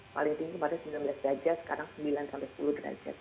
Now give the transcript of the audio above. paling tinggi kemarin sembilan belas derajat sekarang sembilan sepuluh derajat